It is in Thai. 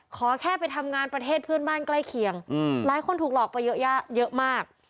ขอแค่ไปทำงานประเทศเพื่อนบ้านใกล้เคียงหลายคนถูกหลอกไปเยอะมาก